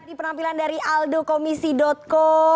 tadi penampilan dari aldokomisi co